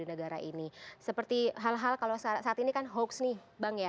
negara ini seperti hal hal kalau saat ini kan hoax nih bang ya